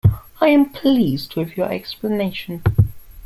I am pleased with your explanation.